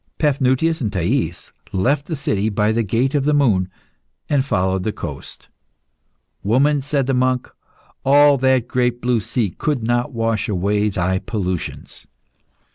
Paphnutius and Thais left the city by the Gate of the Moon, and followed the coast. "Woman," said the monk, "all that great blue sea could not wash away thy pollutions."